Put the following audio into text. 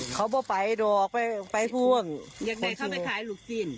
เขาเข้าไปดูไปไปพูดอย่างไรเขาไม่ขายหลูกจิ้น